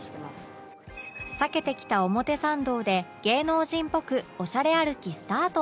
避けてきた表参道で芸能人っぽくオシャレ歩きスタート